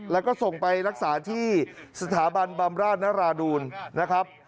แล้วก็ส่งไปรักษาที่สถาบันบำราชนราดูลนะครับ